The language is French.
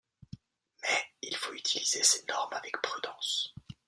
Mais, il faut utiliser ces normes avec prudence.